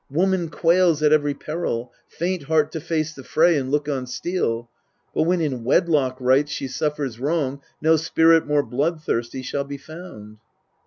Woman quails at every peril, Faint heart to face the fray and look on steel ; But when in wedlock rights she suffers wrong, No spirit more bloodthirsty shall be found.